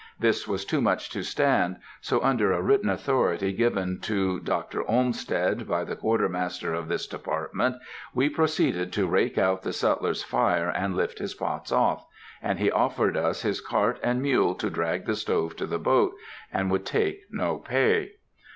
This was too much to stand, so under a written authority given to "Dr. Olmsted" by the Quartermaster of this department, we proceeded to rake out the sutler's fire and lift his pots off;—and he offered us his cart and mule to drag the stove to the boat, and would take no pay!